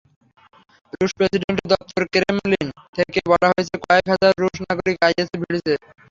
রুশ প্রেসিডেন্টের দপ্তর ক্রেমলিন থেকে বলা হয়েছে, কয়েক হাজার রুশ নাগরিক আইএসে ভিড়েছে।